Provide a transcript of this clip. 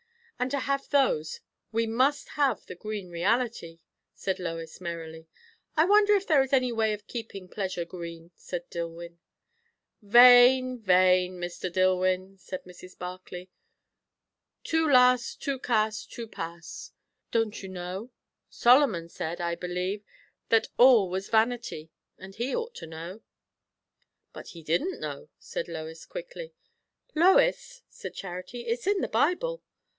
"And to have those, we must have had the green reality," said Lois merrily. "I wonder if there is any way of keeping pleasure green," said Dillwyn. "Vain, vain, Mr. Dillwyn!" said Mrs. Barclay. "Tout lasse, tout casse, tout passe! don't you know? Solomon said, I believe, that all was vanity. And he ought to know." "But he didn't know," said Lois quickly. "Lois!" said Charity "it's in the Bible."